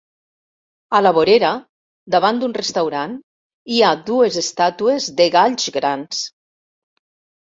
A la vorera, davant d'un restaurant, hi ha dues estàtues de galls grans.